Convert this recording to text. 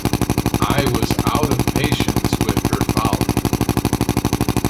I was out of patience with her folly!